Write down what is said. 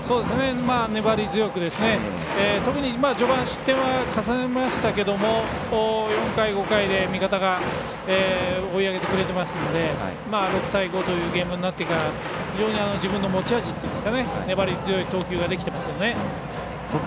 粘り強く特に序盤、失点は重ねましたが４回、５回で味方が追い上げてくれてますので６対５というゲームになってから非常に自分の持ち味というか粘り強い投球ができていますよね。